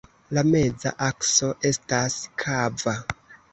La meza akso estas kava.